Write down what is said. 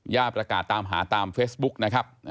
ประกาศตามหาตามเฟซบุ๊กนะครับ